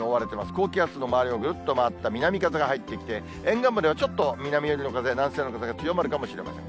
高気圧の周りをぐるっと回った南風が入ってきて、沿岸部ではちょっと南寄りの風、南西の風が強まるかもしれません。